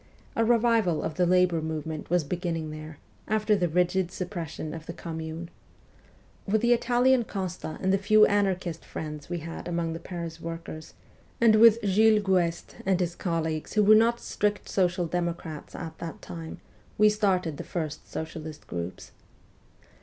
A revival of the labour movement was beginning there, after the rigid suppression of the Commune. With the Italian Costa and the few anarchist friends we had among the Paris workers, and with Jules Guesde and his colleagues who were not strict social democrats at that time, we started the first socialist groups.